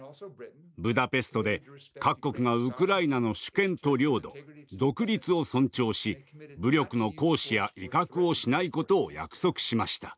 ブダペストで各国がウクライナの主権と領土独立を尊重し武力の行使や威嚇をしないことを約束しました。